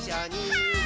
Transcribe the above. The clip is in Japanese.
はい。